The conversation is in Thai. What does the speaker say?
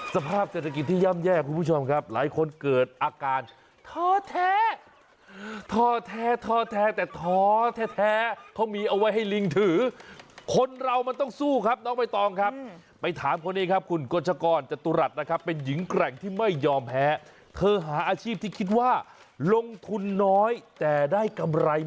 สภาพเศรษฐกิจที่ย่ำแย่คุณผู้ชมครับหลายคนเกิดอาการท้อแท้ท้อแท้ท้อแท้แต่ท้อแท้เขามีเอาไว้ให้ลิงถือคนเรามันต้องสู้ครับน้องใบตองครับไปถามคนนี้ครับคุณกฎชกรจตุรัสนะครับเป็นหญิงแกร่งที่ไม่ยอมแพ้เธอหาอาชีพที่คิดว่าลงทุนน้อยแต่ได้กำไร